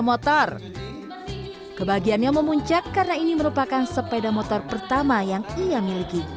motor kebahagiaannya memuncak karena ini merupakan sepeda motor pertama yang ia miliki